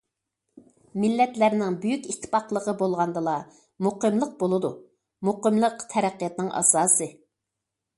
مىللەتلەرنىڭ بۈيۈك ئىتتىپاقلىقى بولغاندىلا، مۇقىملىق بولىدۇ، مۇقىملىق تەرەققىياتنىڭ ئاساسى.